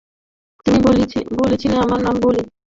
তুমি বলেছিলে আমার নাম বিলি।